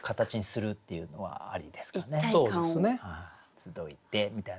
「つどひて」みたいな。